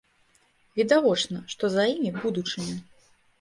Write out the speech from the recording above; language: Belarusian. Відавочна, што за імі будучыня.